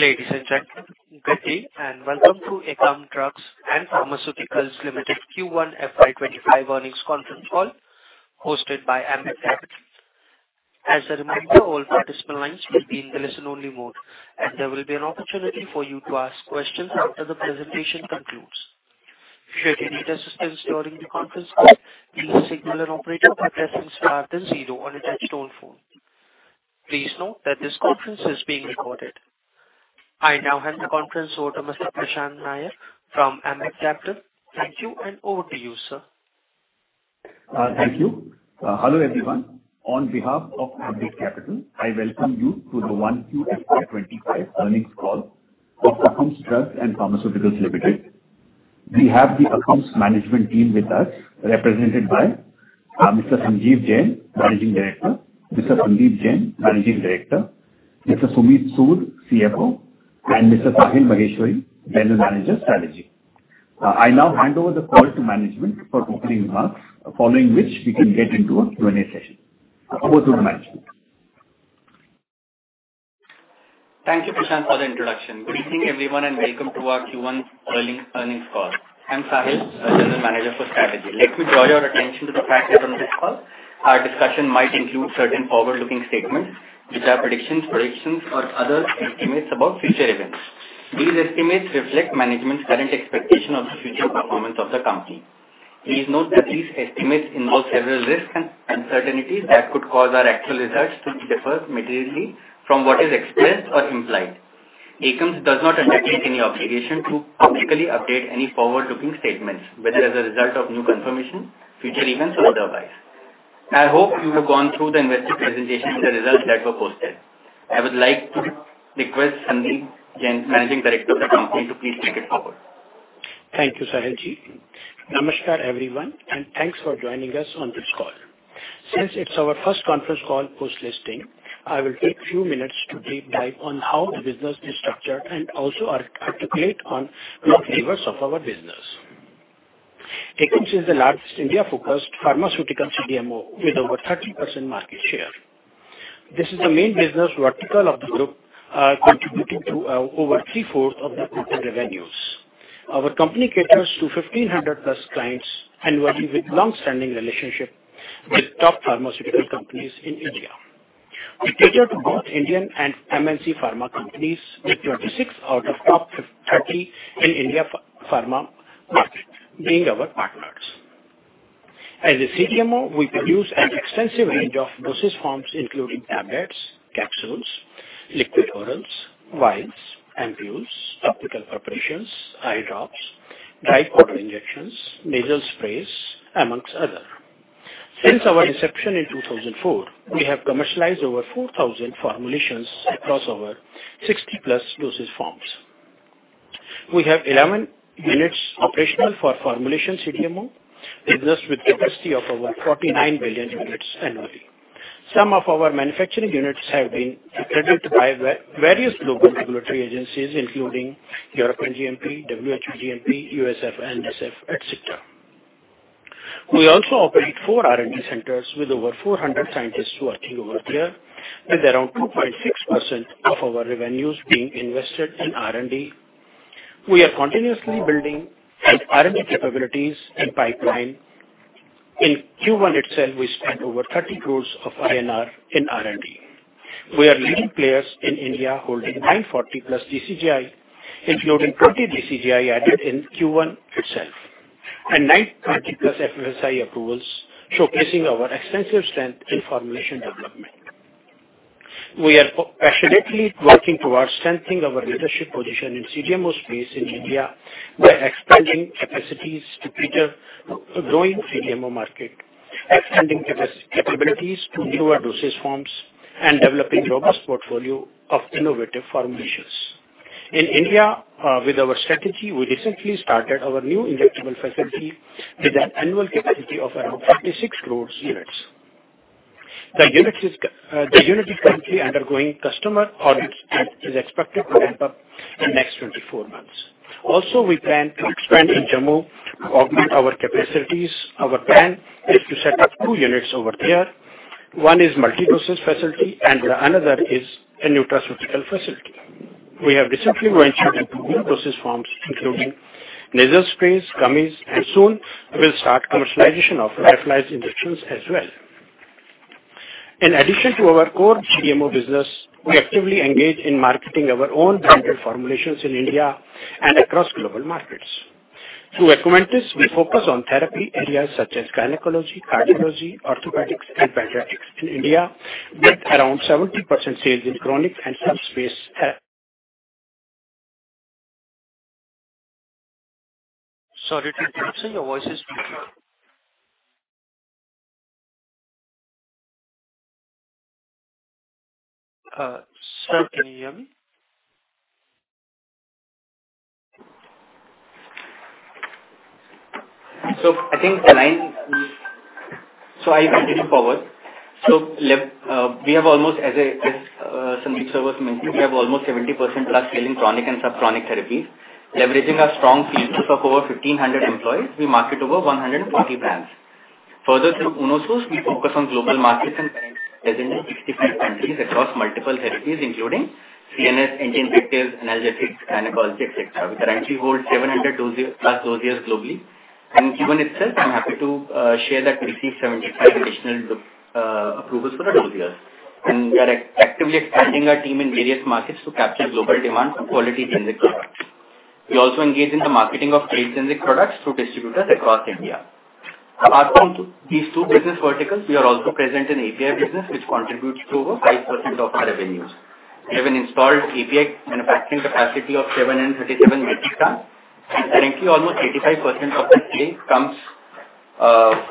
Ladies and gentlemen, good day, and welcome to Akums Drugs and Pharmaceuticals Limited Q1 FY 2025 earnings conference call, hosted by Ambit Capital. As a reminder, all participant lines will be in the listen-only mode, and there will be an opportunity for you to ask questions after the presentation concludes. If you need assistance during the conference call, please signal an operator by pressing star then zero on a touchtone phone. Please note that this conference is being recorded. I now hand the conference over to Mr. Prashant Nair from Ambit Capital. Thank you, and over to you, sir. Thank you. Hello, everyone. On behalf of Ambit Capital, I welcome you to the 1Q FY 2025 earnings call of Akums Drugs and Pharmaceuticals Limited. We have the Akums management team with us, represented by Mr. Sanjeev Jain, Managing Director, Mr. Sandeep Jain, Managing Director, Mr. Sumeet Sood, CFO, and Mr. Sahil Maheshwari, General Manager Strategy. I now hand over the call to management for opening remarks, following which we can get into a Q&A session. Over to management. Thank you, Prashant, for the introduction. Greetings, everyone, and welcome to our Q1 earnings call. I'm Sahil, General Manager for Strategy. Let me draw your attention to the fact that on this call, our discussion might include certain forward-looking statements, which are predictions or other estimates about future events. These estimates reflect management's current expectation of the future performance of the company. Please note that these estimates involve several risks and uncertainties that could cause our actual results to differ materially from what is expressed or implied. Akums does not undertake any obligation to publicly update any forward-looking statements, whether as a result of new confirmation, future events, or otherwise. I hope you have gone through the investor presentation and the results that were posted. I would like to request Sanjeev Jain, Managing Director of the company, to please take it forward. Thank you, Sahil Ji. Namaskar, everyone, and thanks for joining us on this call. Since it's our first conference call post-listing, I will take a few minutes to deep dive on how the business is structured and also articulate on key levers of our business. Akums is the largest India-focused pharmaceutical CDMO, with over 30% market share. This is the main business vertical of the group, contributing to over three-fourths of the group revenues. Our company caters to 1,500 plus clients and working with long-standing relationship with top pharmaceutical companies in India. We cater to both Indian and MNC pharma companies, with 26 out of top 50 in India pharma market being our partners. As a CDMO, we produce an extensive range of dosage forms, including tablets, capsules, liquid orals, vials, ampules, topical preparations, eye drops, dry powder injections, nasal sprays, among others. Since our inception in 2004, we have commercialized over 4,000 formulations across our 60+ dosage forms. We have 11 units operational for formulation CDMO business with capacity of over 49 billion units annually. Some of our manufacturing units have been accredited by various global regulatory agencies, including European GMP, WHO GMP, USFDA, NSF, etc. We also operate four R&D centers with over 400 scientists working over there, with around 2.6% of our revenues being invested in R&D. We are continuously building R&D capabilities and pipeline. In Q1 itself, we spent over 30 crores INR in R&D. We are leading players in India, holding 940+ DCGI, including 20 DCGI added in Q1 itself, and 920+ FSSAI approvals, showcasing our extensive strength in formulation development. We are passionately working towards strengthening our leadership position in CDMO space in India by expanding capacities to cater growing CDMO market, expanding capabilities to newer dosage forms, and developing robust portfolio of innovative formulations. In India, with our strategy, we recently started our new injectable facility with an annual capacity of around 36 crore units. The unit is currently undergoing customer audits and is expected to ramp up in the next 24 months. Also, we plan to expand in Jammu, augment our capacities. Our plan is to set up two units over there. One is multi-dosage facility and the another is a nutraceutical facility. We have recently launched into new dosage forms, including nasal sprays, gummies, and soon we'll start commercialization of lyophilized injections as well. In addition to our core CDMO business, we actively engage in marketing our own branded formulations in India and across global markets. Through Akumentis, we focus on therapy areas such as gynecology, cardiology, orthopedics, and pediatrics in India, with around 70% sales in chronic and subacute health- Sorry to interrupt you. Your voice is breaking. Sir, can you hear me? I'll continue forward. We have almost 70% plus sales in chronic and subchronic therapies. Leveraging our strong presence of over 1,500 employees, we market over 140 brands. Further, through Unosource, we focus on global markets and are present in 65 countries across multiple therapies, including CNS, anti-infectives, analgesics, gynecology, et cetera. We currently hold 700 plus dossiers globally. Given this, I'm happy to share that we received 75 additional approvals for the dossiers. We are actively expanding our team in various markets to capture global demand for quality generic products. We also engage in the marketing of trade generic products through distributors across India. Apart from these two business verticals, we are also present in API business, which contributes to over 5% of our revenues. We have an installed API manufacturing capacity of seven and 37 metric ton, and currently almost 85% of the sales comes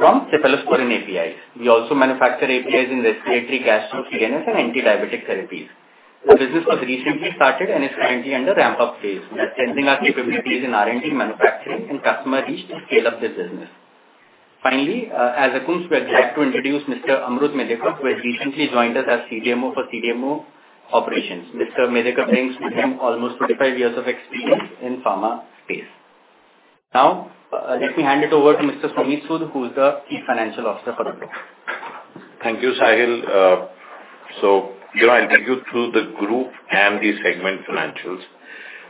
from cefepime in APIs. We also manufacture APIs in respiratory, gastro, CNS, and anti-diabetic therapies. The business was recently started and is currently under ramp-up phase. We are strengthening our capabilities in R&D, manufacturing, and customer reach to scale up this business. Finally, at Akums, we're glad to introduce Mr. Amrut Medhekar, who has recently joined us as CDMO for CDMO operations. Mr. Medhekar brings with him almost 35 years of experience in pharma space. Now, let me hand it over to Mr. Sumit Sood, who is the key financial officer for Unosource. Thank you, Sahil. So here I'll take you through the group and the segment financials.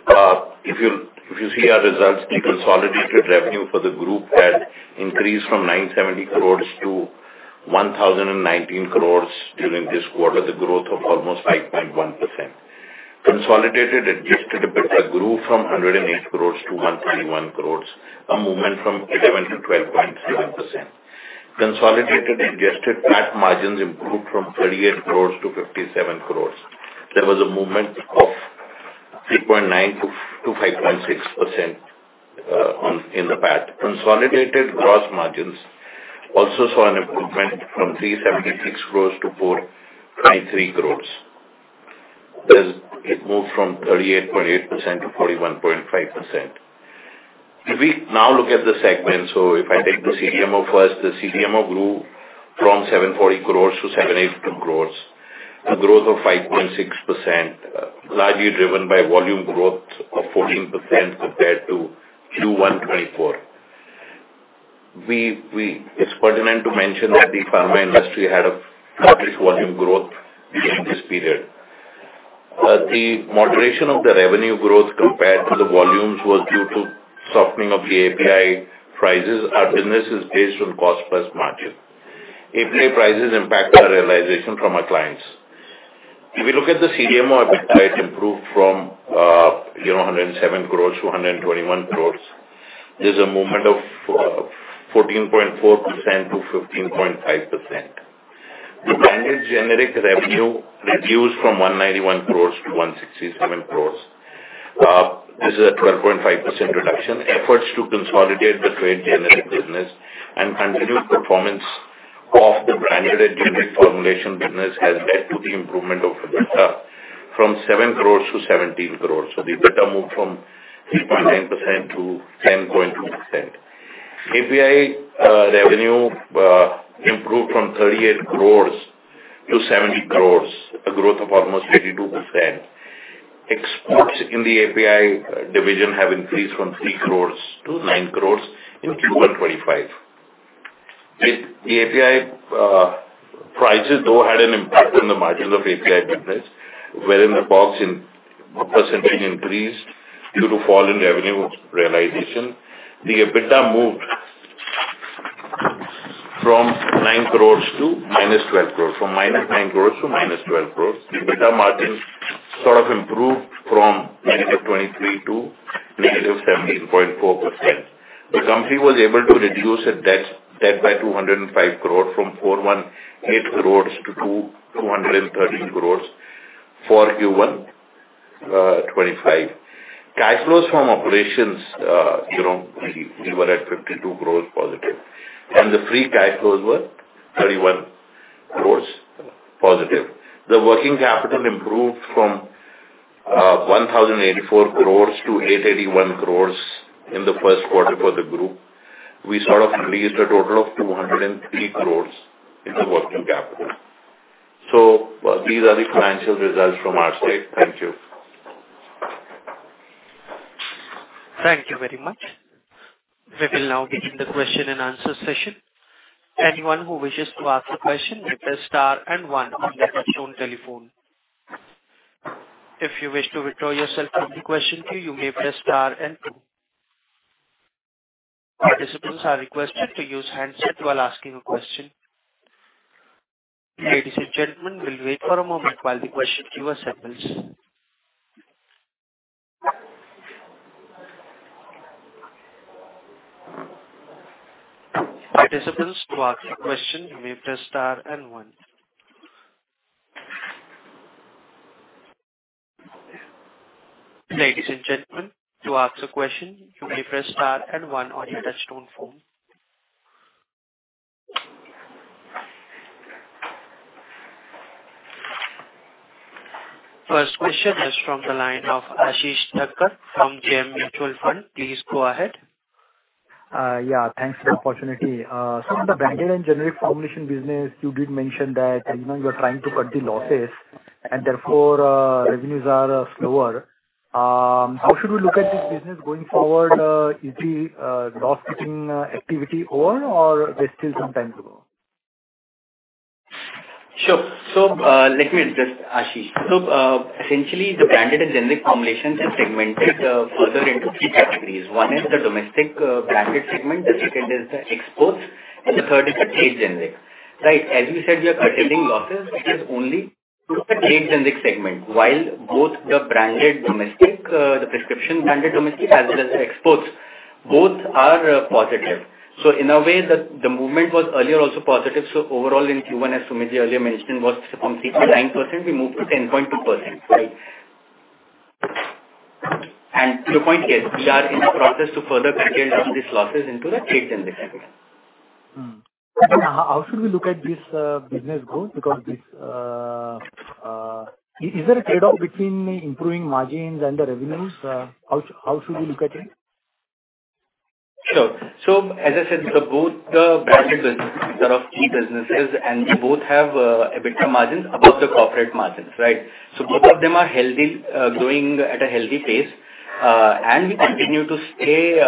If you see our results, the consolidated revenue for the group had increased from 970 crores to 1,019 crores during this quarter, the growth of almost 5.1%. Consolidated adjusted EBITDA grew from 108 crores to 121 crores, a movement from 11% to 12.7%. Consolidated adjusted PAT margins improved from 38 crores to 57 crores. There was a movement of 3.9% to 5.6%, on in the PAT. Consolidated gross margins also saw an improvement from 376 crores to 423 crores. There's. It moved from 38.8% to 41.5%. If we now look at the segment, so if I take the CDMO first, the CDMO grew from 740 crores to 782 crores, a growth of 5.6%, largely driven by volume growth of 14% compared to Q1 2024. It's pertinent to mention that the pharma industry had a modest volume growth during this period. The moderation of the revenue growth compared to the volumes was due to softening of the API prices. Our business is based on cost-plus margin. API prices impact our realization from our clients. If we look at the CDMO, EBITDA improved from, you know, 107 crores to 121 crores. There's a movement of 14.4% to 15.5%. The branded generic revenue reduced from 191 crores to 167 crores. This is a 12.5% reduction. Efforts to consolidate the trade generic business and continued performance of the branded and generic formulation business has led to the improvement of EBITDA from 7 crores to 17 crores, so the EBITDA moved from 3.9% to 10.2%. API revenue improved from 38 crores to 70 crores, a growth of almost 82%. Exports in the API division have increased from 3 crores to 9 crores in Q1 2025. API prices, though, had an impact on the margins of API business, wherein the COGS in percentage increased due to fall in revenue realization. The EBITDA moved from 9 crores to -12 crores, from -9 crores to -12 crores. The EBITDA margins sort of improved from -23% to -17.4%. The company was able to reduce its debt by 205 crores, from 418 crores to 213 crores for Q1 2025. Cash flows from operations, you know, we were at 52 crores positive, and the free cash flows were 31 crores positive. The working capital improved from 1,084 crores to 881 crores in the first quarter for the group. We sort of raised a total of 203 crores in the working capital. So these are the financial results from our side. Thank you. Thank you very much. We will now begin the question and answer session. Anyone who wishes to ask a question, press star and one on their touchtone telephone. If you wish to withdraw yourself from the question queue, you may press star and two. Participants are requested to use handset while asking a question. Ladies and gentlemen, we'll wait for a moment while the question queue assembles. Participants, to ask a question, you may press star and one. Ladies and gentlemen, to ask a question, you may press star and one on your touchtone phone. First question is from the line of Ashish Thakkar from JM Mutual Fund. Please go ahead. Yeah, thanks for the opportunity. So in the branded and generic formulation business, you did mention that, you know, you're trying to cut the losses and therefore, revenues are slower. How should we look at this business going forward? Is the loss-making activity over or there's still some time to go? Sure. So, let me address, Ashish. So, essentially, the branded and generic formulations are segmented further into three categories. One is the domestic branded segment, the second is the exports, and the third is the trade generic. Right, as we said, we are attaining losses, it is only to the trade generic segment, while both the branded domestic, the prescription branded domestic, as well as exports, both are positive. So in a way, the movement was earlier also positive, so overall in Q1, as Sumit earlier mentioned, was from 3.9%, we moved to 10.2%, right? And to your point, yes, we are in the process to further package up these losses into the trade generic segment. How should we look at this business growth? Because this, is there a trade-off between improving margins and the revenues? How should we look at it? Sure. So, as I said, the both branded businesses are our key businesses, and we both have EBITDA margins above the corporate margins, right? So both of them are healthy, growing at a healthy pace. And we continue to stay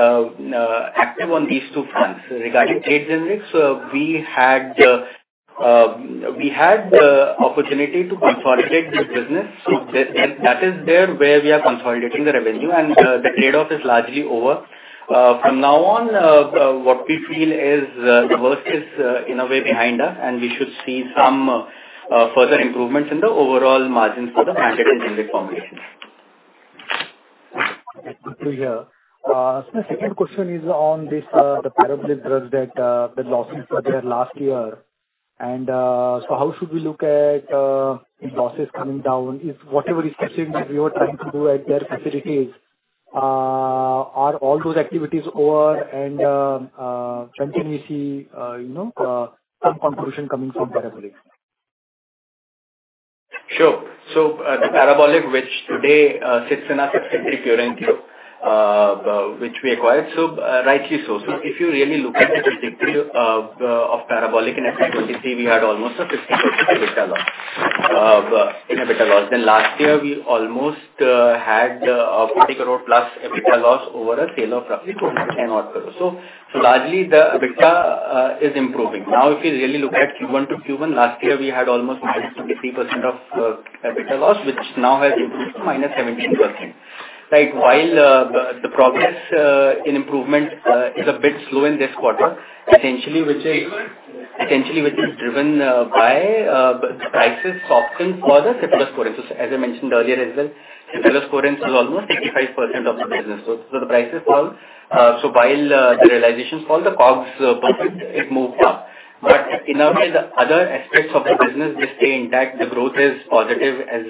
active on these two fronts. Regarding trade generics, we had the opportunity to consolidate the business. So that is where we are consolidating the revenue, and the trade-off is largely over. From now on, what we feel is the worst is in a way behind us, and we should see some further improvements in the overall margins for the branded and generic formulations. Good to hear. So my second question is on this, the Parabolic Drugs that, the losses were there last year. And, so how should we look at, the losses coming down? If whatever is strategic we were trying to do at their facilities, are all those activities over and, when can we see, you know, some conclusion coming from Parabolic? Sure. The Parabolic, which today sits in our subsidiary, Pure & Cure, which we acquired, so rightly so. If you really look at the trajectory of Parabolic in FY 2023, we had almost a 50% EBITDA loss in EBITDA loss. Then last year, we almost had 50+ crore EBITDA loss over a sale of roughly 200-odd crore. So largely the EBITDA is improving. If you really look at Q1 to Q1, last year, we had almost minus 50% of EBITDA loss, which now has improved to minus 17%. Right, while the progress in improvement is a bit slow in this quarter, essentially, which is driven by the prices softened for the cephalosporins. So as I mentioned earlier as well, cephalosporins is almost 55% of the business. So the prices fall. So while the realization fall, the COGS profit, it moved up. But in a way, the other aspects of the business, they stay intact. The growth is positive as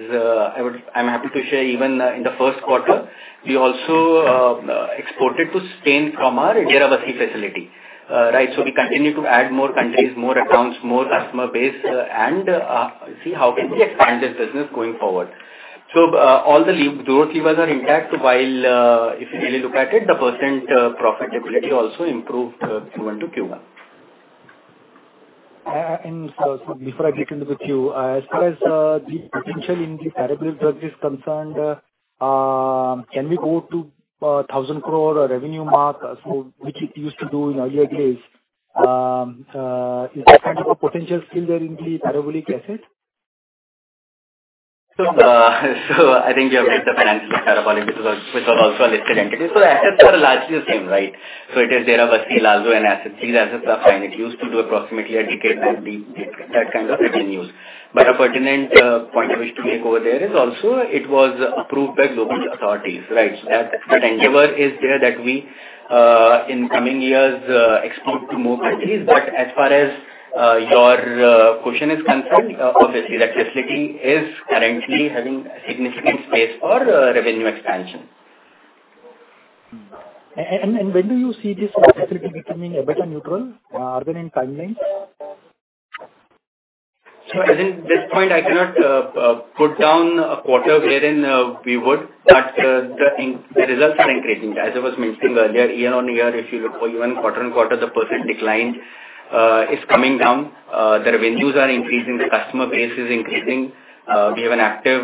I'm happy to share, even in the first quarter, we also exported to Spain from our Dera Bassi facility. Right, so we continue to add more countries, more accounts, more customer base, and see how can we expand this business going forward. So all the key growth levers are intact, while if you really look at it, the percent profitability also improved Q1 to Q1. And so before I get into with you, as far as the potential in Parabolic Drugs is concerned, can we go to thousand crore revenue mark, so which it used to do in earlier days? Is that kind of a potential still there in the Parabolic Drugs asset? So I think you have seen the financials of Parabolic, which is also a listed entity. So the assets are largely the same, right? So it is Dera Bassi, Lalru, and the third asset et cetera, and it used to do approximately 100 crore, that'd be that kind of revenues. But a pertinent point I wish to make over there is also it was approved by global authorities, right? So that the endeavor is there that we in coming years export to more countries. But as far as your question is concerned, obviously, that facility is currently having significant space for revenue expansion. And when do you see this facility becoming EBITDA neutral, are there any timelines? So at this point, I cannot put down a quarter wherein we would, but the results are increasing. As I was mentioning earlier, year on year, if you look for even quarter on quarter, the percent decline is coming down. The revenues are increasing, the customer base is increasing. We have an active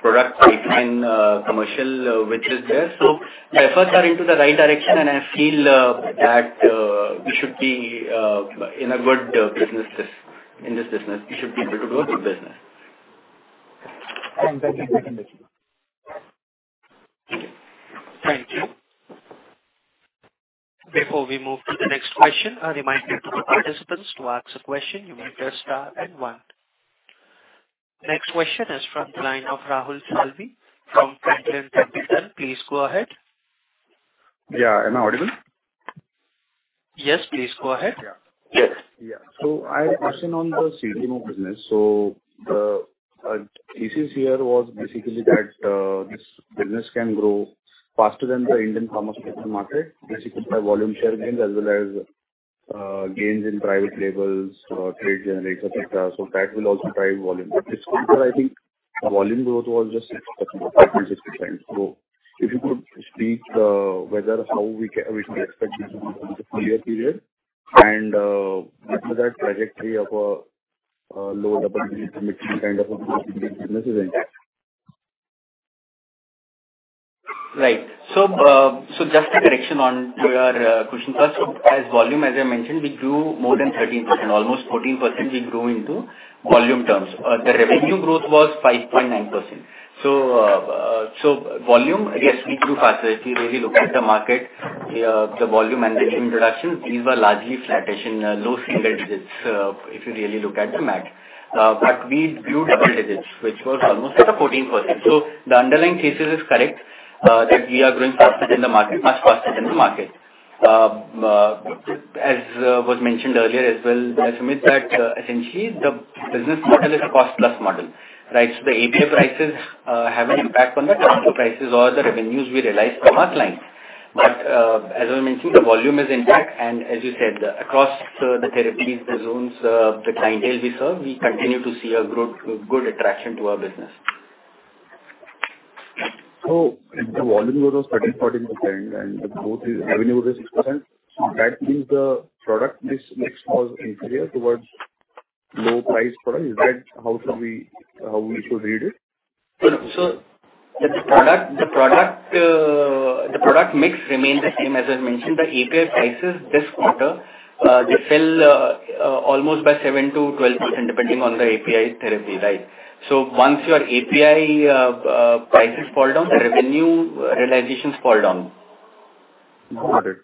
product pipeline commercial which is there. So the efforts are into the right direction, and I feel that we should be in a good business risk. In this business, we should be able to do a good business. That's it. Thank you. Thank you. Before we move to the next question, a reminder to the participants, to ask a question, you may press star and one. Next question is from the line of Rahul Salvi from Franklin Templeton. Please go ahead. Yeah. Am I audible? Yes, please go ahead. Yeah. Yes. Yeah. So I have a question on the CDMO business. So the thesis here was basically that this business can grow faster than the Indian pharmaceutical market, basically by volume share gains as well as gains in private labels, trade generics, et cetera. So that will also drive volume. But this quarter, I think volume growth was just 6%, 5.6%. So if you could speak whether how we can, we should expect this in the full year period, and after that, trajectory of low double digits, kind of a business, is it? Right. So, so just a correction on your, question first. So as volume, as I mentioned, we grew more than 13%. Almost 14%, we grew in volume terms. The revenue growth was 5.9%. So, so volume, yes, we grew faster. If you really look at the market, the volume and introduction, these were largely flattish in, low single digits, if you really look at the math. But we grew double digits, which was almost like a 14%. So the underlying thesis is correct, that we are growing faster than the market, much faster than the market. As was mentioned earlier as well, I submit that, essentially, the business model is a cost plus model, right? So the API prices have an impact on the contract prices or the revenues we realize from our clients. But, as I mentioned, the volume is intact, and as you said, across the therapies, the zones, the clientele we serve, we continue to see a good attraction to our business. If the volume growth was 13%-14%, and the growth is, revenue was 6%, so that means the product mix was inferior towards low price product. Is that how we should read it? So, the product mix remains the same. As I mentioned, the API prices this quarter, they fell almost by 7%-12%, depending on the API therapy, right? So once your API prices fall down, the revenue realizations fall down. Got it.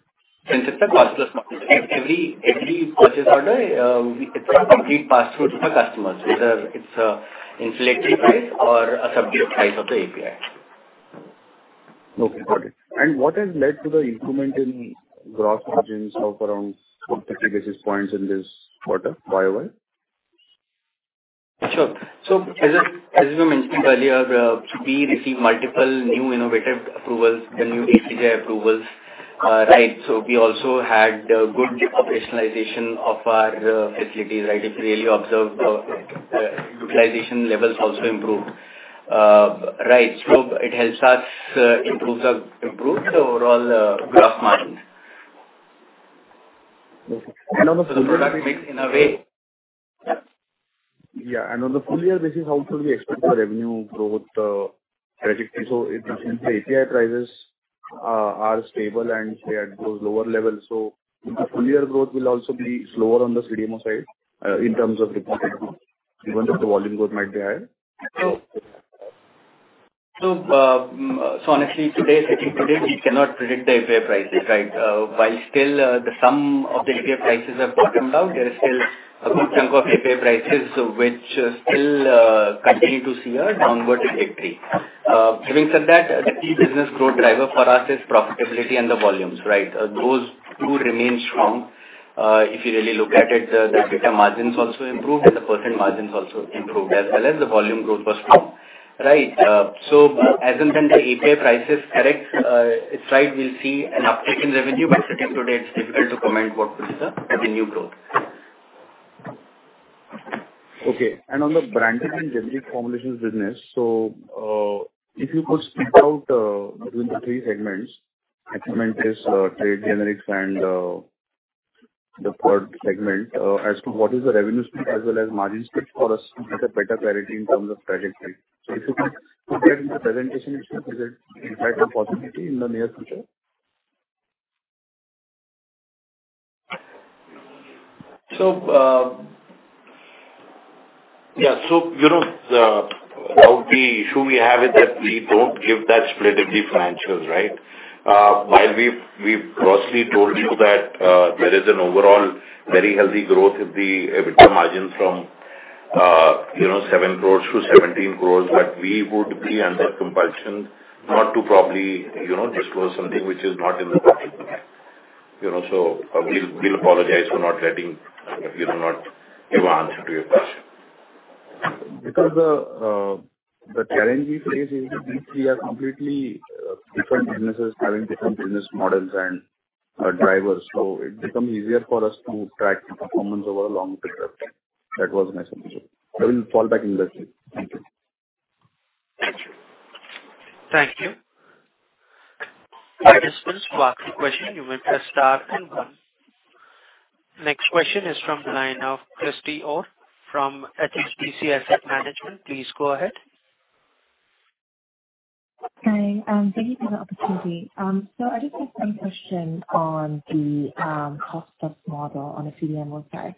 Since it's a cost plus model, every purchase order, it's a complete pass-through to the customers, whether it's a regulatory price or a subsidized price of the API. Okay, got it. And what has led to the improvement in gross margins of around 50 basis points in this quarter, YoY? Sure. So as I mentioned earlier, we received multiple new innovative approvals, the new DCGI approvals, right? So we also had good operationalization of our facilities, right? If you really observe the utilization levels also improved. Right. So it helps us improve the overall gross margin. Okay. And on the- So the product mix in a way. Yeah, and on the full year basis, how should we expect the revenue growth trajectory? So it means the API prices are stable and they are at those lower levels. So the full year growth will also be slower on the CDMO side, in terms of the even if the volume growth might be higher. Honestly, today, sitting today, we cannot predict the API prices, right? While still, some of the API prices have bottomed out, there is still a good chunk of API prices which still continue to see a downward trajectory. Having said that, the key business growth driver for us is profitability and the volumes, right? Those two remain strong. If you really look at it, the EBITDA margins also improved, and the percent margins also improved, as well as the volume growth was strong, right? So as and when the API prices correct, it's right, we'll see an uptick in revenue, but sitting today, it's difficult to comment what is the revenue growth. Okay. And on the branded and generic formulations business, so, if you could speak out between the three segments, I mean, this, trade generics and the third segment, as to what is the revenue split as well as margin split for us to get a better clarity in terms of trajectory. So if you could get in the presentation, is it quite a possibility in the near future? You know, the issue we have is that we don't give that separate financials, right? While we've grossly told you that there is an overall very healthy growth of the EBITDA from 7 crore to 17 crore, but we would be under compulsion not to probably, you know, disclose something which is not in the public domain. You know, we'll apologize for not letting you know, not give an answer to your question. Because the challenge we face is that these three are completely different businesses having different business models and drivers. So it becomes easier for us to track the performance over a long period of time. That was my assumption. I will fall back in that way. Thank you. Thank you. Participants, for asking question, you may press star and one. Next question is from the line of Christy O. from HSBC Asset Management. Please go ahead. Hi, thank you for the opportunity, so I just have one question on the cost plus model on the CDMO side,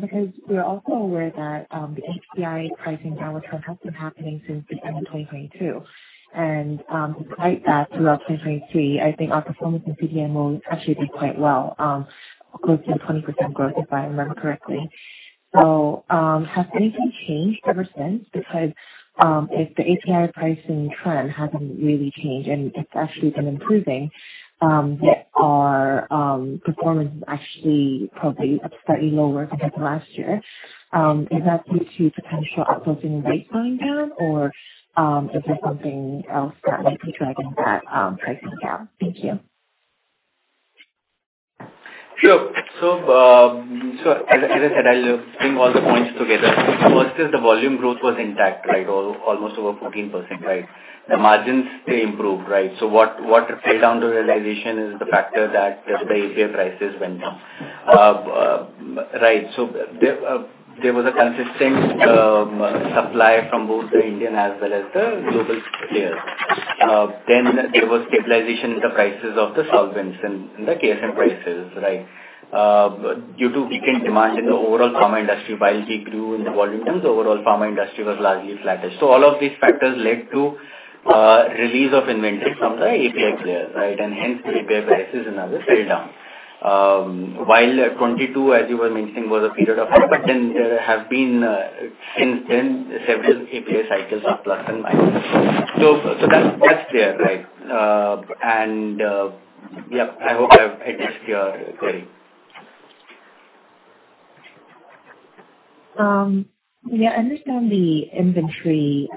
because we are also aware that the API pricing downturn has been happening since the end of 2022, and despite that, throughout 2023, I think our performance in CDMO actually did quite well, close to 20% growth, if I remember correctly, so has anything changed ever since? Because if the API pricing trend hasn't really changed and it's actually been improving, yet our performance is actually probably slightly lower compared to last year, is that due to potential outsourcing rates coming down, or is there something else that might be driving that pricing down? Thank you. Sure. So, as I said, I'll bring all the points together. First is the volume growth was intact, right? Almost over 14%, right? The margins, they improved, right? So what trade down the realization is the factor that the API prices went down. Right, so there was a consistent supply from both the Indian as well as the global players. Then there was stabilization in the prices of the solvents and the KSM prices, right? Due to weakened demand in the overall pharma industry, while we grew in the volumes, the overall pharma industry was largely flattish. So all of these factors led to release of inventory from the API players, right? And hence, the API prices and others fell down. While 2022, as you were mentioning, was a period of, but then there have been since then, several API cycles are plus and minus. So, that's clear, right? And, yeah, I hope I've addressed your query. Yeah, I understand the inventory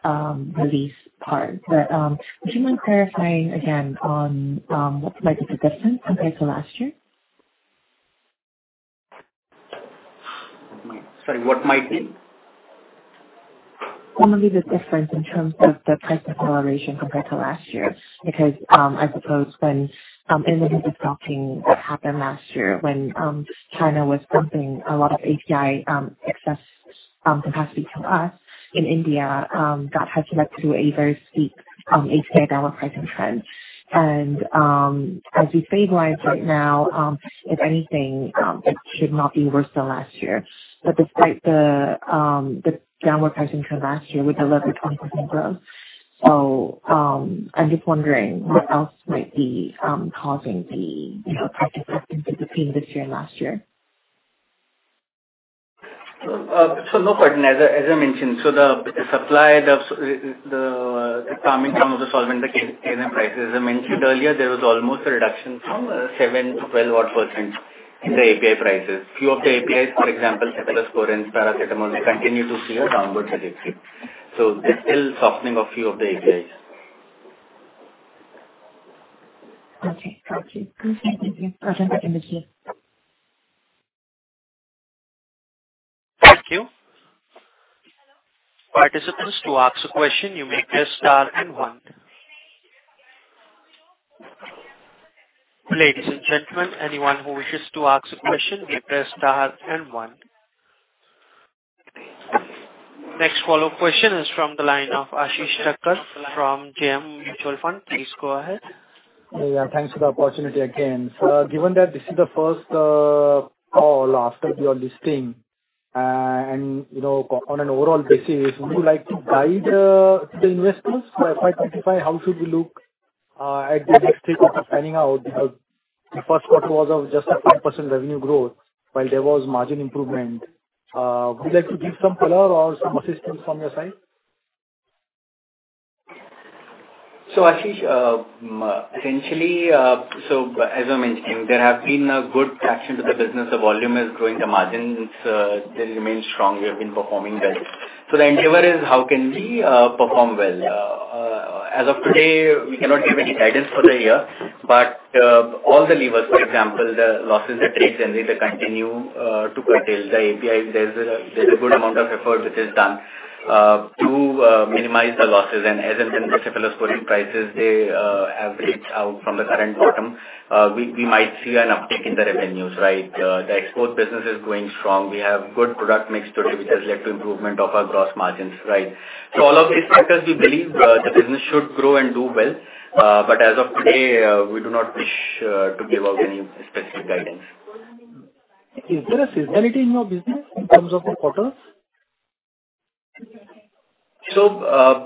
release part, but would you mind clarifying again on what might be the difference compared to last year? Sorry, what might be? What might be the difference in terms of the price acceleration compared to last year? Because I suppose what happened last year when China was dumping a lot of API excess capacity to us in India that had led to a very steep API downward pricing trend. And as you stabilize right now if anything it should not be worse than last year. But despite the downward pricing trend last year we delivered 20% growth. So I'm just wondering what else might be causing the you know price adjustments between this year and last year? So no question. As I mentioned, so the supply, the coming down of the solvent, the KSM prices. As I mentioned earlier, there was almost a reduction from 7%-12% odd in the API prices. Few of the APIs, for example, cephalosporin, paracetamol, continue to see a downward trajectory. So there's still softening of few of the APIs. Okay. Thank you. Thank you. Over to you. Thank you. Participants, to ask a question, you may press star and one. Ladies and gentlemen, anyone who wishes to ask a question, you press star and one. Next follow-up question is from the line of Ashish Thakkar from JM Mutual Fund. Please go ahead. Yeah, thanks for the opportunity again. So given that this is the first call after your listing, and, you know, on an overall basis, would you like to guide the investors? So if I identify, how should we look at the next three quarters panning out? Because the first quarter was of just a 5% revenue growth, while there was margin improvement. Would you like to give some color or some assistance from your side? So Ashish, essentially, so as I mentioned, there have been a good traction to the business. The volume is growing, the margins, they remain strong. We have been performing well. So the endeavor is how can we, perform well? As of today, we cannot give any guidance for the year, but, all the levers, for example, the losses are taken, and they continue, to curtail the API. There's a good amount of effort which is done, to minimize the losses. And as and when the cephalosporin prices, they average out from the current bottom, we might see an uptick in the revenues, right? The export business is going strong. We have good product mix today, which has led to improvement of our gross margins, right? So all of these factors, we believe, the business should grow and do well. But as of today, we do not wish to give out any specific guidance. Is there a seasonality in your business in terms of the quarters?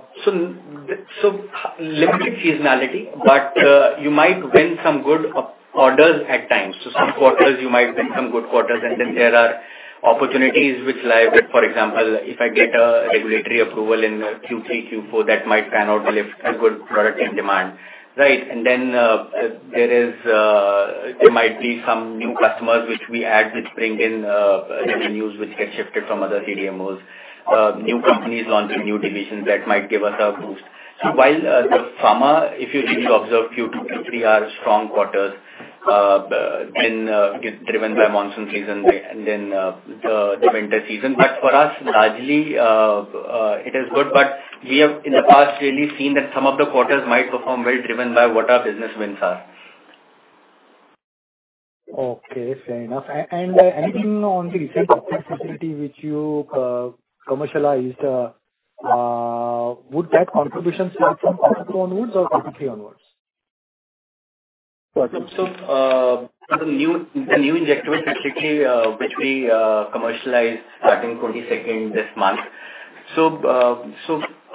Limited seasonality, but you might win some good orders at times. Some quarters you might win some good quarters, and then there are opportunities which lie with. For example, if I get a regulatory approval in Q3, Q4, that might pan out to lift a good product in demand, right? And then there might be some new customers which we add, which bring in revenues which get shifted from other CDMOs. New companies launching new divisions, that might give us a boost. So while the pharma, if you really observe Q2, Q3 are strong quarters, then driven by monsoon season and then the winter season. But for us, largely, it is good, but we have in the past really seen that some of the quarters might perform well, driven by what our business wins are. Okay, fair enough. And anything on the recent opportunity which you commercialized, would that contribution start from quarter two onwards or quarter three onwards? The new injectable facility, which we commercialized starting 22nd this month.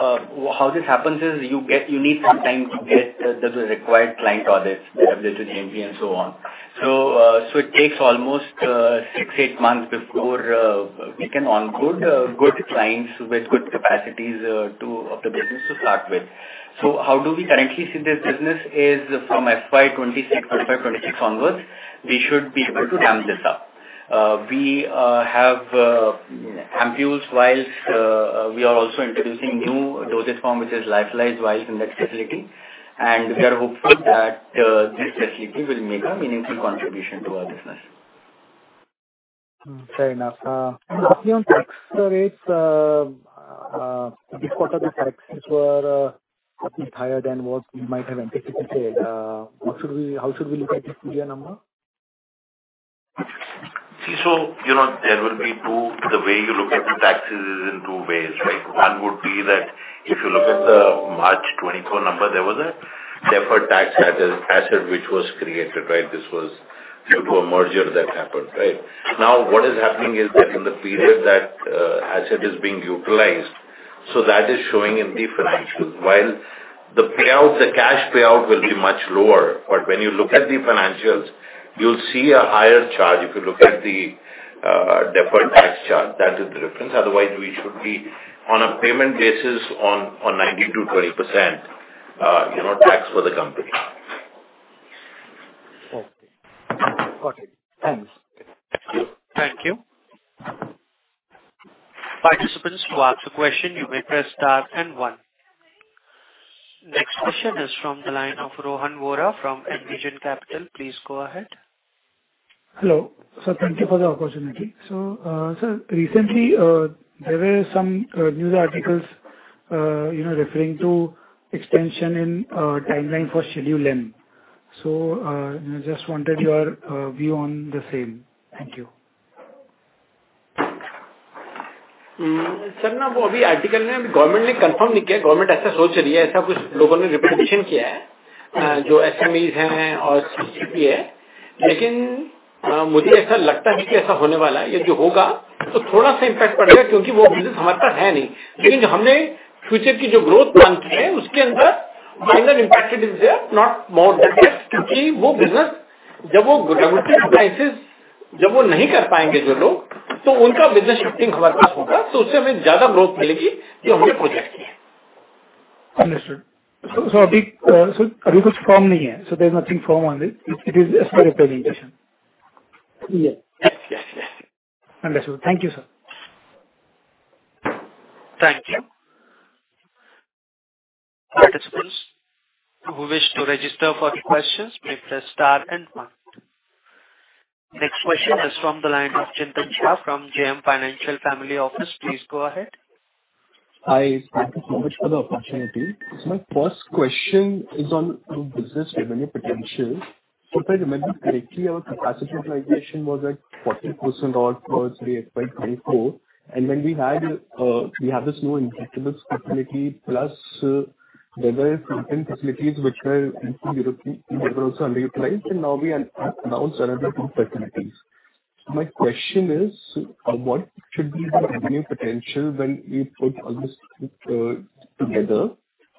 How this happens is you need some time to get the required client audits, they have visited MP and so on. It takes almost six-eight months before we can onboard good clients with good capacities to the business to start with. How do we currently see this business? From FY 2025-2026 onwards, we should be able to ramp this up. We have ampoules while we are also introducing new dosage form, which is lyophilized vials in that facility, and we are hopeful that this facility will make a meaningful contribution to our business. Fair enough. Mostly on tax rates, this quarter, the taxes were higher than what we might have anticipated. How should we look at this full year number? See, so you know, there will be two, the way you look at the taxes is in two ways, right? One would be that if you look at the March 2024 number, there was a Deferred Tax Asset, asset which was created, right? This was due to a merger that happened, right. Now, what is happening is that in the period that, asset is being utilized, so that is showing in the financials. While the payout, the cash payout will be much lower, but when you look at the financials, you'll see a higher charge. If you look at the, deferred tax charge, that is the difference. Otherwise, we should be on a payment basis on 90%-20%, you know, tax for the company. Okay. Got it. Thanks. Thank you. Thank you. Participants, to ask a question, you may press star and one. Next question is from the line of Rohan Vora from Envision Capital. Please go ahead. Hello, sir. Thank you for the opportunity. So, sir, recently, there were some news articles, you know, referring to extension in timeline for Schedule M. So, I just wanted your view on the same. Thank you. So now the article name, government confirmed, government solution, the people have representation, Joe Smith and or CCP. Again, I think it's going to happen, it will happen. So it will have an impact because it's not with us. But the future growth that we have planned, inside that the minor impact is there, not more than this. Because that business, when they are not able to do it, then their business shifting will be with us, so we will get more growth from that, which we have projected. Understood. So there's nothing firm on this? So there's nothing firm on this. It is as per your presentation. Yes. Yes, yes, yes. Understood. Thank you, sir. Thank you. Participants, who wish to register for the questions, may press star and one. Next question is from the line of Chintan Shah from JM Financial Family Office. Please go ahead. Hi, thank you so much for the opportunity. So my first question is on your business revenue potential. So if I remember correctly, our capacity utilization was at 40% for FY 2024, and we have this new injectables facility, plus there were certain facilities which were in Europe that were also underutilized, and now we are announced another two facilities. My question is, what should be the revenue potential when we put all this together,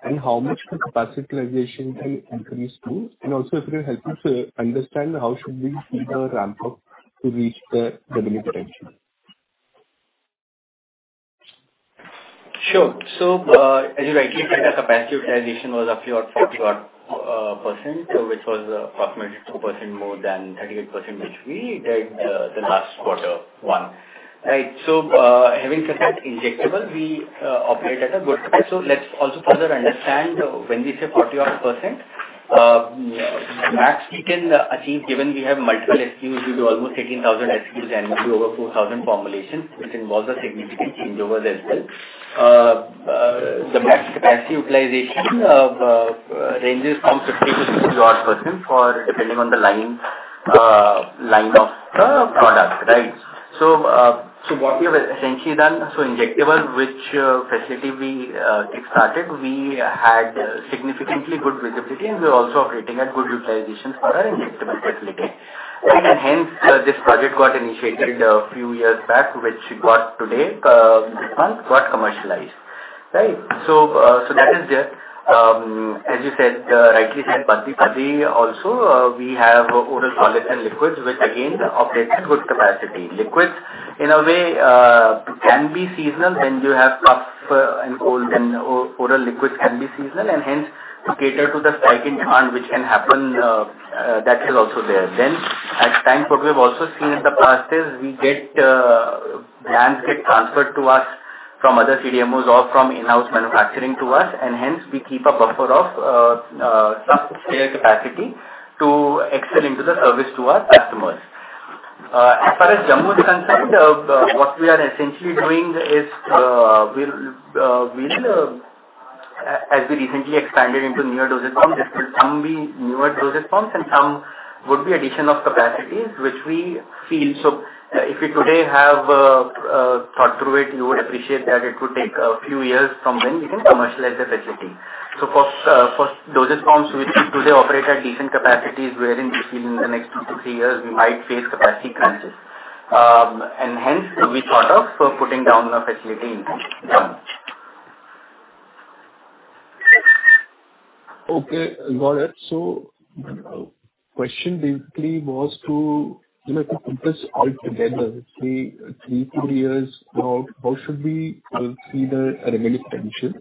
and how much the capacity utilization can increase to? And also, if you can help us understand how should we see the ramp-up to reach the revenue potential? Sure. So, as you rightly said, our capacity utilization was roughly 40-odd%, so which was approximately 2% more than 38%, which we did the last quarter one. Right. So, having said that, injectable, we operate at a good rate. So let's also further understand when we say 40-odd%, max we can achieve, given we have multiple SKUs, due to almost 18,000 SKUs and over 4,000 formulations, which involves a significant change over as well. The max capacity utilization ranges from 50-60-odd% depending on the line, line of product, right? So, what we have essentially done, so injectable, which facility we kick-started, we had significantly good visibility, and we're also operating at good utilizations for our injectable facility. And hence, this project got initiated a few years back, which we got today, this month, got commercialized. Right. So that is there. As you said, rightly said, but we also, we have oral solids and liquids, which again operates at good capacity. Liquids, in a way, can be seasonal when you have cough and cold and oral liquids can be seasonal, and hence to cater to the spike in demand, which can happen, that is also there. Then at times, what we have also seen in the past is, we get, brands get transferred to us from other CDMOs or from in-house manufacturing to us, and hence we keep a buffer of some spare capacity to excel into the service to our customers. As far as Jammu is concerned, what we are essentially doing is... As we recently expanded into newer dosage forms, some will be newer dosage forms and some would be addition of capacities, which we feel. So if we today have thought through it, you would appreciate that it would take a few years from when we can commercialize the facility. So for dosage forms which we today operate at decent capacities, where in between the next two to three years, we might face capacity crunches. And hence, we thought of for putting down a facility in Jammu. Okay, got it. So my question basically was to, you know, to put this all together, say, three, four years out, how should we see the revenue potential?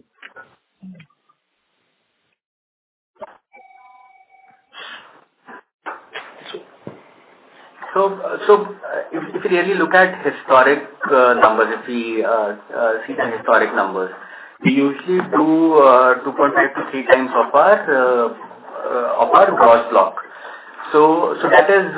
If you really look at historic numbers, if we see the historic numbers, we usually do 2.5-3 times of our gross block. So that is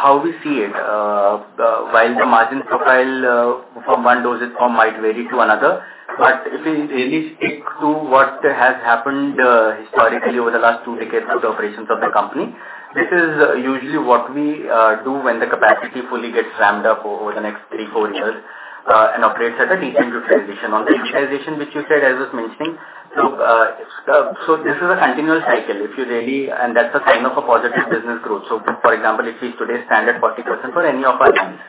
how we see it. While the margin profile from one dosage form might vary to another, but if we really stick to what has happened historically over the last two decades of the operations of the company, this is usually what we do when the capacity fully gets ramped up over the next three-four years and operates at a decent utilization. On the utilization, which you said I was mentioning. So this is a continuous cycle, and that's a sign of a positive business growth. So for example, if we today stand at 40% for any of our units,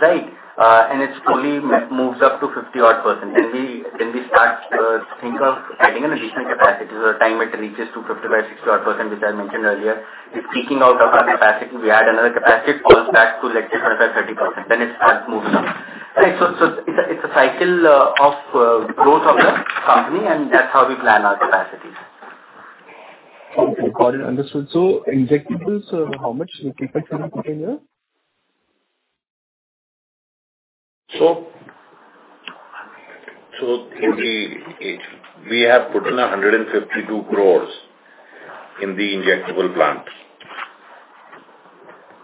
right? And it's slowly moves up to 50-odd %, then we start to think of adding an additional capacity. The time it reaches to 55-60-odd %, which I mentioned earlier, it's peaking out of our capacity. We add another capacity, it falls back to like 35%-30%, then it starts moves up. Right, so it's a cycle of growth of the company, and that's how we plan our capacity. Okay, got it. Understood. So injectables, how much capacity you put in there? We have put in 152 crore in the injectable plant.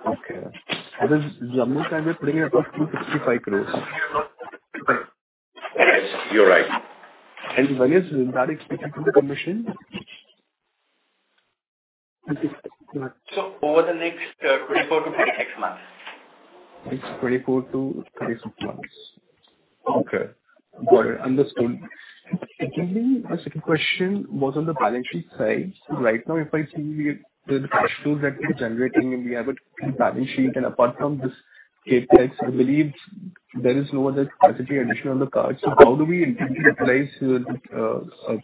Okay. This is almost like we're putting in about INR 255 crore. Yes, you're right. When is that expected to come to commission? So over the next 24-36 months. It's 24-36 months. Okay. Got it. Understood. And secondly, my second question was on the balance sheet side. So right now, if I see the cash flows that we're generating, and we have a balance sheet, and apart from this CapEx, I believe there is no other capacity addition on the card. So how do we internally place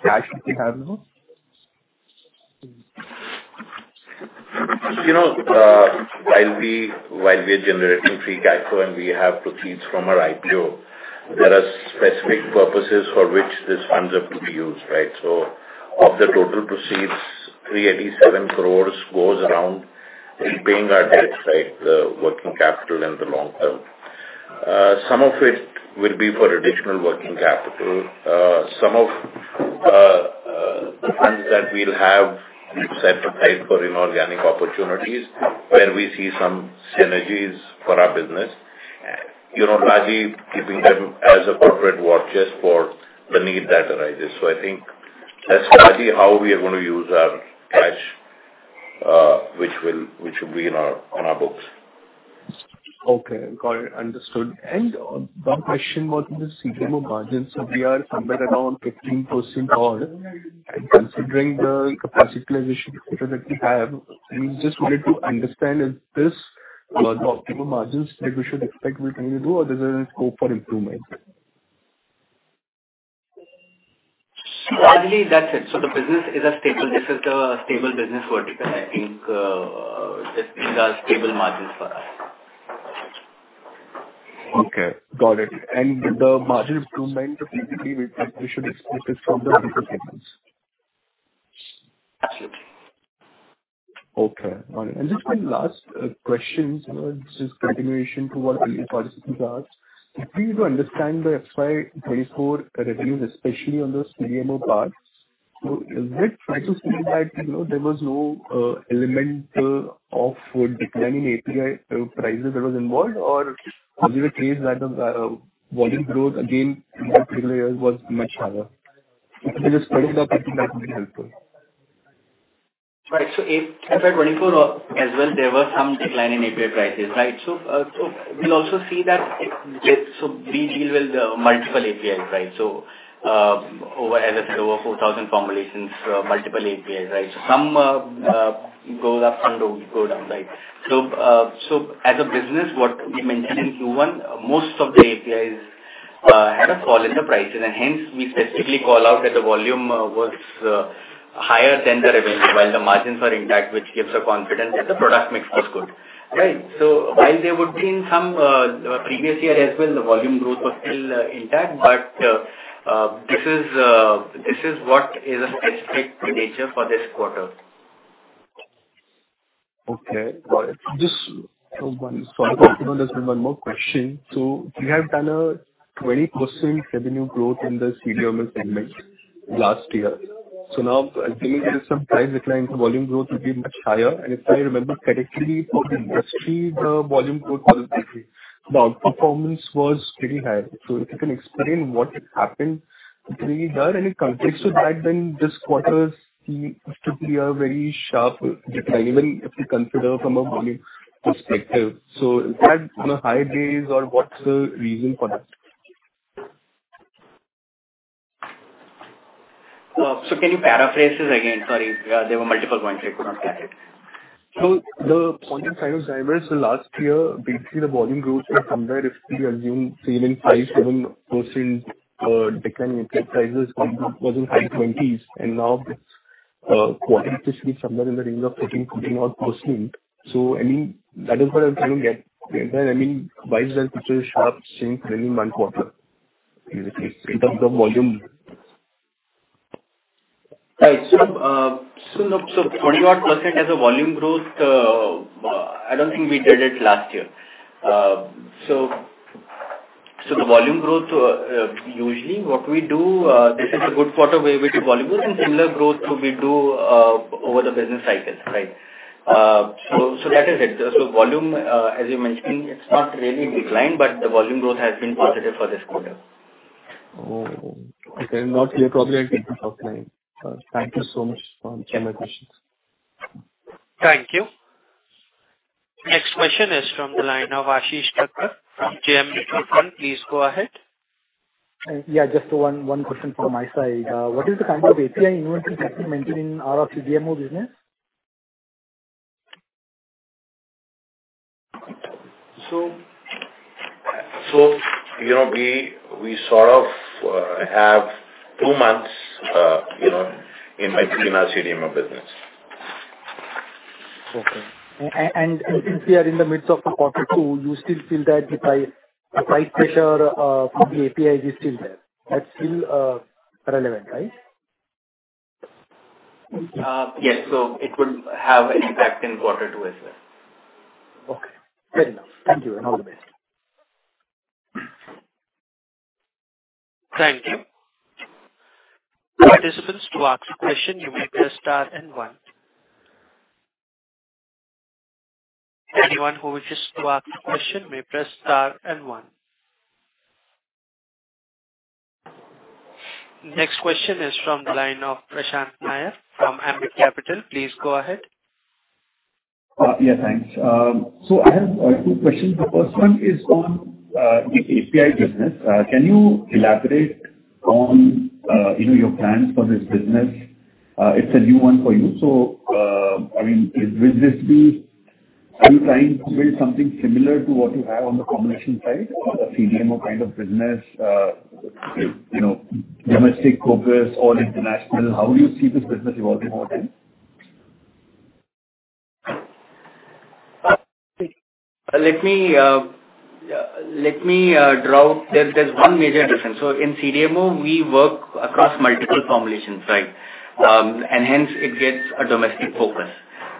cash that we have now? You know, while we are generating free cash flow, and we have proceeds from our IPO, there are specific purposes for which these funds are to be used, right? So of the total proceeds, 387 crore goes around paying our debts, right, the working capital in the long term. Some of it will be for additional working capital. Some of the funds that we'll have set aside for inorganic opportunities where we see some synergies for our business. You know, largely keeping them as a corporate war chest for the need that arises. So I think that's largely how we are going to use our cash, which will be on our books. Okay, got it. Understood. And the question was the CDMO margins, so we are somewhere around 15% or... And considering the capacity utilization that we have, we just wanted to understand if this was the optimal margins that we should expect we can do, or there's a scope for improvement. Largely, that's it. So the business is a stable, this is a stable business vertical. I think, this is a stable margin for us. Okay, got it. And the margin improvement effectively, we should expect this from the different segments? That's it. Okay, got it. And just one last question. This is continuation to what the participants asked. If we were to understand the FY 2024 revenues, especially on the CDMO parts, so is it right to say that, you know, there was no element of declining API prices that was involved, or do you agree that the volume growth again in the previous years was much higher? If you just comment on that, it will be helpful. Right. So in FY 2024 as well, there were some decline in API prices, right? So, so we'll also see that. So we deal with multiple APIs, right? So, over, as I said, over four thousand formulations, multiple APIs, right? Some go up, some do go down, right? So, so as a business, what we mentioned in Q1, most of the APIs had a fall in the prices, and hence, we specifically call out that the volume was higher than the revenue, while the margins are intact, which gives the confidence that the product mix was good. Right. So while there would been some previous year as well, the volume growth was still intact, but this is what is an expected nature for this quarter. Okay. Got it. Just one... So I want to understand one more question. So we have done a 20% revenue growth in the CDMO segment last year. So now, I think there is some price decline, so volume growth will be much higher. And if I remember correctly, for the industry, the volume growth was basically... The performance was pretty high. So if you can explain what happened, have we done any comparison back then this quarter, we typically a very sharp decline, even if you consider from a volume perspective. So is that on a high days or what's the reason for that? Can you paraphrase this again? Sorry, there were multiple points. I could not get it. The point in time was, last year, basically, the volume growth was somewhere, if we assume say 5%-7%, decline in prices was in high 20s%, and now it's quite somewhere in the range of 13%-14% or so. I mean, that is what I'm trying to get. I mean, why is there such a sharp change within one quarter, basically, in terms of volume? Right. So, 20-odd% as a volume growth, I don't think we did it last year. So the volume growth, usually what we do, this is a good quarter where we do volume growth and similar growth will we do over the business cycle, right? So that is it. So volume, as you mentioned, it's not really declined, but the volume growth has been positive for this quarter. Oh, okay. Not clear, probably I'll think offline. Thank you so much for answering my questions. Thank you. Next question is from the line of Ashish Thakkar from JM Mutual Fund. Please go ahead. Yeah, just one question from my side. What is the kind of API inventory that you maintain in out of CDMO business? So you know, we sort of have two months, you know, in our CDMO business. Okay. And since we are in the midst of the quarter two, you still feel that the price pressure from the API is still there? That's still relevant, right? Yes, so it will have an impact in quarter two as well. Okay, fair enough. Thank you, and all the best. Thank you. Participants, to ask a question, you may press star and one. Anyone who wishes to ask a question may press star and one. Next question is from the line of Prashant Nair from Ambit Capital. Please go ahead. Yeah, thanks. So I have two questions. The first one is on the API business. Can you elaborate on, you know, your plans for this business? It's a new one for you. So, I mean, will this be... Are you trying to build something similar to what you have on the combination side or the CDMO kind of business? You know, domestic focus or international. How do you see this business evolving over time? There's one major difference, so in CDMO, we work across multiple formulations, right? And hence it gets a domestic focus.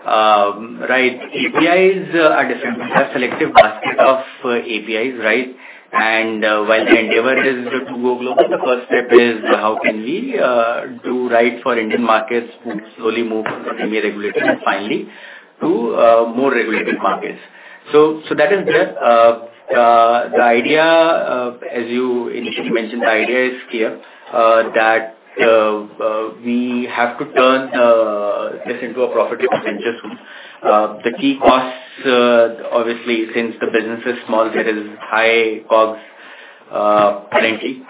Right, APIs are different. We have selective basket of APIs, right? And while the endeavor is to go global, the first step is how can we do right for Indian markets and slowly move to the Indian regulator and finally to more regulated markets, so that is there. The idea, as you initially mentioned, the idea is clear that we have to turn this into a profitable venture. The key costs, obviously, since the business is small, there is high COGS, frankly.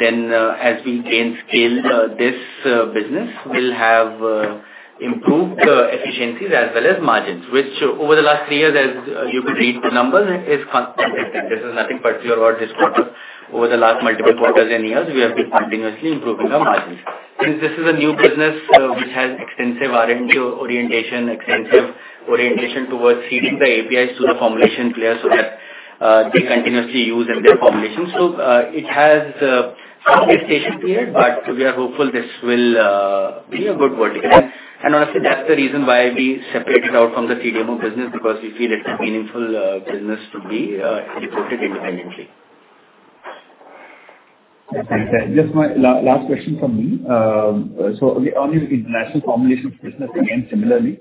Then, as we gain scale, this business will have improved efficiencies as well as margins, which over the last three years as you could read the numbers, is consistent. This is nothing particular about this quarter. Over the last multiple quarters and years, we have been continuously improving our margins. Since this is a new business, which has extensive R&D orientation, extensive orientation towards feeding the APIs to the formulation players so that they continuously use in their formulation. So, it has some gestation period, but we are hopeful this will be a good vertical. And honestly, that's the reason why we separated out from the CDMO business, because we feel it's a meaningful business to be reported independently. Thanks. Just my last question from me. So on your international formulations business, again, similarly,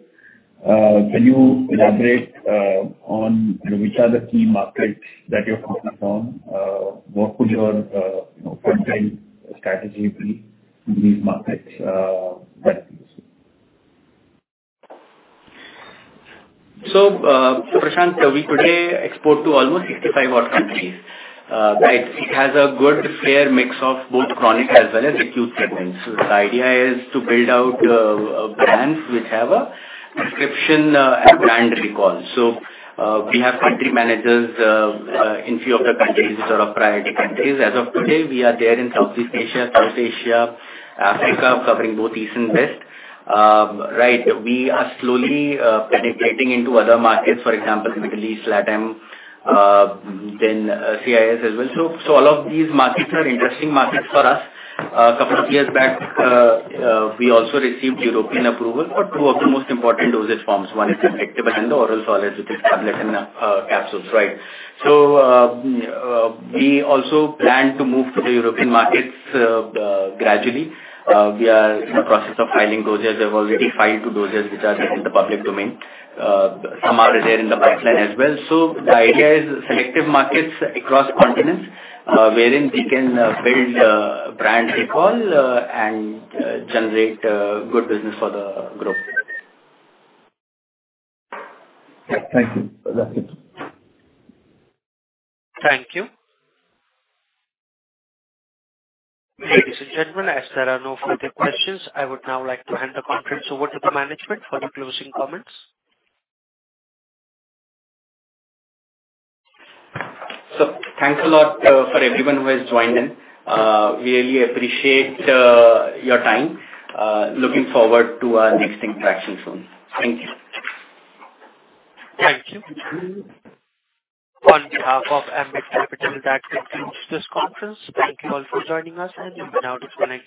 can you elaborate on which are the key markets that you're focused on? What would your, you know, frontline strategy be in these markets, right? So, so Prashant, we today export to almost 65 odd countries. Right, it has a good fair mix of both chronic as well as acute segments. So the idea is to build out, brands which have a prescription, and brand recall. So, we have country managers, in few of the countries which are our priority countries. As of today, we are there in Southeast Asia, South Asia, Africa, covering both East and West. Right, we are slowly, penetrating into other markets, for example, Middle East, LATAM, then, CIS as well. So, all of these markets are interesting markets for us. Couple of years back, we also received European approval for two of the most important dosage forms, one is injectable and the oral solids, which is tablet and, capsules, right? So, we also plan to move to the European markets gradually. We are in the process of filing dossiers. I've already filed two dossiers, which are there in the public domain. Some are there in the pipeline as well. So the idea is selective markets across continents, wherein we can build brand recall and generate good business for the group. Thank you. That's it. Thank you. Ladies and gentlemen, as there are no further questions, I would now like to hand the conference over to the management for the closing comments. Thanks a lot for everyone who has joined in. Really appreciate your time. Looking forward to our next interaction soon. Thank you. Thank you. On behalf of Ambit Capital, that concludes this conference. Thank you all for joining us, and you may now disconnect your